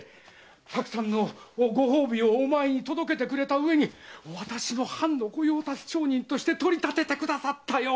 たくさんのご褒美をおまえに届けてくれたうえに私も藩の御用達商人として取り立ててくださったよ！